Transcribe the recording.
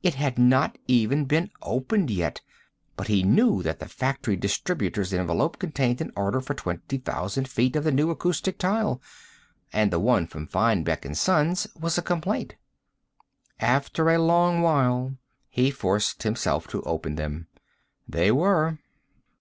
It had not even been opened yet, but he knew that the Factory Distributors envelope contained an order for twenty thousand feet of the new acoustic tile, and the one from Finebeck & Sons was a complaint. After a long while, he forced himself to open them. They were.